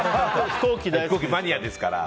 飛行機マニアですから。